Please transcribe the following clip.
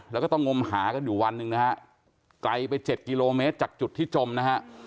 แล้วก็ต้องงมหากันอยู่วันหนึ่งนะฮะไกลไปเจ็ดกิโลเมตรจากจุดที่จมนะฮะ